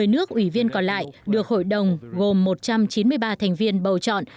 một mươi nước ủy viên còn lại được hội đồng gồm một trăm chín mươi ba thành viên bầu chọn